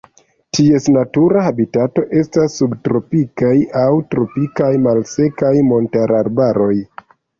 Ties natura habitato estas subtropikaj aŭ tropikaj malsekaj montararbaroj.